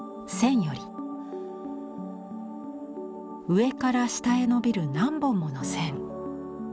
上から下へ伸びる何本もの線。